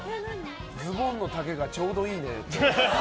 ズボンの丈がちょうどいいねって。